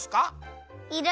いる。